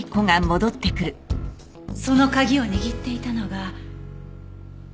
その鍵を握っていたのが緑色の汗。